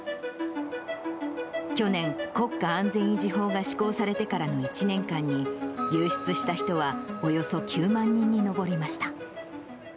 去年、国家安全維持法が施行されてからの１年間に、流出した人はおよそ９万人に上りました。